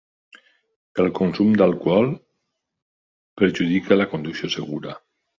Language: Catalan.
El consum d'alcohol perjudica la conducció segura.